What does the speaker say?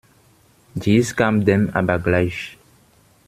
Dies kam dem aber gleich.